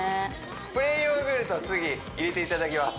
プレーンヨーグルトを次入れていただきます